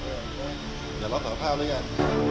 เดี๋ยวเราถอดภาพด้วยกัน